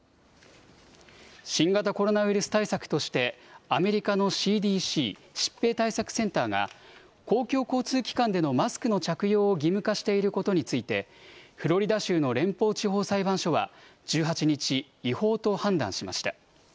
新型コロナウイルス対策としてアメリカのＣＤＣ・疾病対策センターが公共交通機関でのマスクの着用を義務化していることについてフロリダ州の連邦地方裁判所は１８日、違法と判断しました。